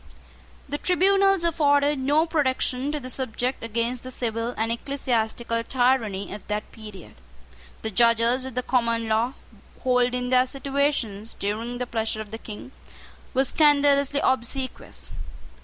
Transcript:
The tribunals afforded no protection to the subject against the civil and ecclesiastical tyranny of that period. The judges of the common law, holding their situations during the pleasure of the King, were scandalously obsequious.